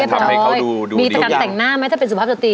บี๋จังจะจักรบอุปสรรพย์ดูดูเนี่ย